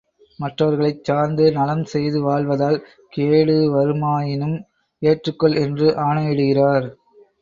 மற்றவர்களைச் சார்ந்து நலம் செய்து வாழ்வதால் கேடுவருமாயினும் ஏற்றுக்கொள் என்று ஆணையிடுகிறார்.